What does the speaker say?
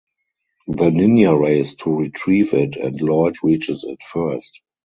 The ninja race to retrieve it and Lloyd reaches it first.